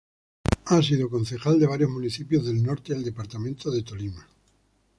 Ha sido concejal de varios municipios del norte del departamento del Tolima.